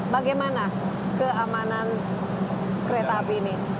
bagaimana keamanan kereta api ini